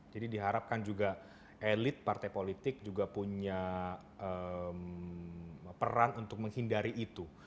diharapkan juga elit partai politik juga punya peran untuk menghindari itu